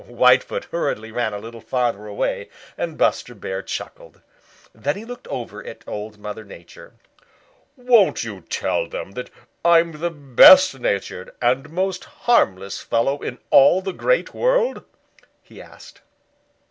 Whitefoot hurriedly ran a little farther away, and Buster Bear chuckled. Then he looked over at Old Mother Nature. "Won't you tell them that I'm the best natured and most harmless fellow in all the Great World?" he asked.